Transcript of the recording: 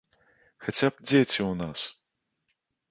Хаця б дзеці ў нас!